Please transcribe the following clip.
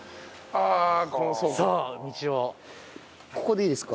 ここでいいですか？